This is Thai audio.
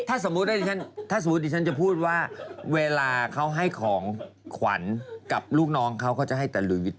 ถ้าสมมุติฉันจะพูดว่าเวลาเขาให้ของขวัญกับลูกน้องเขาก็จะให้แต่หลุยต่อกริก